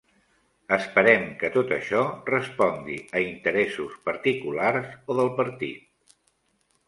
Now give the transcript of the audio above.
Esperem que tot això respongui a interessos particulars o del partit.